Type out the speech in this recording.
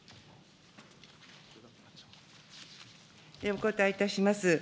お答えいたします。